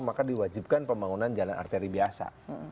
maka diwajibkan pembangunan jalan arteri biasa